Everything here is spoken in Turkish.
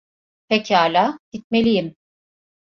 Pekala, gitmeliyim.